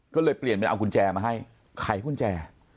ก็เลยเปลี่ยนเป็นเอากุญแจมาให้ไขกุญแจ